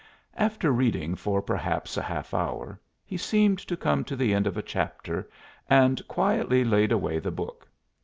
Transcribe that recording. After reading for perhaps a half hour he seemed to come to the end of a chapter and quietly laid away the book.